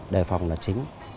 đề phòng là chính